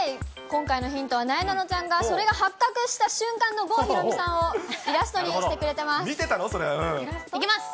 今回のヒントは、なえなのちゃんが、それが発覚した瞬間の郷ひろみさんをイラストにしてくれてます。